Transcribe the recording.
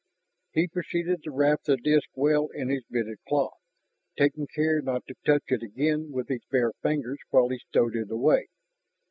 He proceeded to wrap the disk well in his bit of cloth, taking care not to touch it again with his bare fingers while he stowed it away.